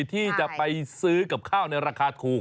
ที่จะไปซื้อกับข้าวในราคาถูก